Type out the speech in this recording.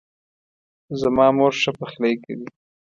زما مور ښه پخلۍ کوي